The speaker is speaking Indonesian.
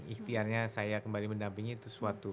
ihtianya saya kembali mendampingi itu suatu